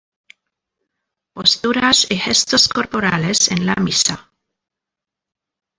Posturas y gestos corporales en la Misa